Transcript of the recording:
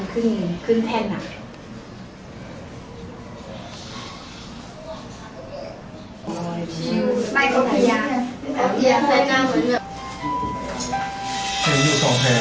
ขาหลังด้วยค่ะเพราะว่าเมื่อกี้ขาหลังซ้ายใช่ไหมครับเนี่ย